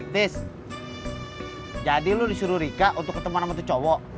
tis jadi lo disuruh rika untuk ketemu nama itu cowok